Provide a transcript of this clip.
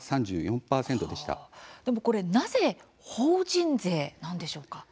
でもこれ、なぜ法人税なんでしょうか。